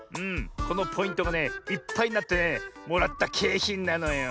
このポイントがねいっぱいになってねもらったけいひんなのよ。